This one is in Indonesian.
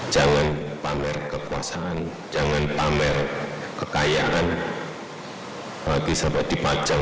jangan pamer kekuasaan jangan pamer kekayaan